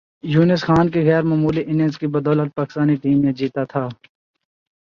یونس خان کی غیر معمولی اننگز کی بدولت پاکستانی ٹیم نے جیتا تھا